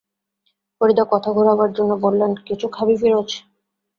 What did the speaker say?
ফরিদা কথা ঘোরাবার জন্যে বললেন, কিছু খাবি ফিরোজ?